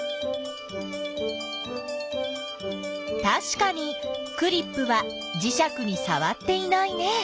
たしかにクリップはじしゃくにさわっていないね。